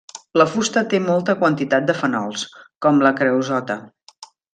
La fusta té molta quantitat de fenols com la creosota.